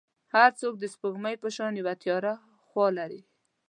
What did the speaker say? هر څوک د سپوږمۍ په شان یو تیاره خوا لري.